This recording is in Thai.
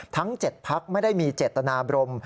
ทั้ง๗พักไม่ได้มีเจตนาบรม